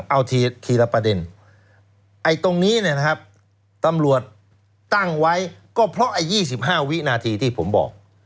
เอาทีละประเด็นไอ้ตรงนี้เนี่ยนะครับตำรวจตั้งไว้ก็เพราะไอ้๒๕วินาทีที่ผมบอก